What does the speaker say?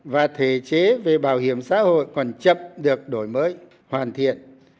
và thể chế về bảo hiểm xã hội còn chậm được đổi mới hoàn thiện